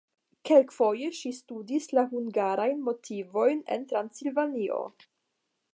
Kelkfoje ŝi studis la hungarajn motivojn en Transilvanio.